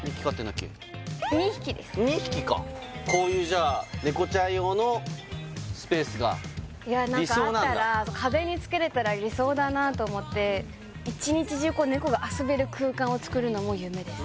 ２匹かこういうじゃあ猫ちゃん用のスペースが理想なんだいや何かあったら壁につけれたら理想だなと思ってを作るのも夢です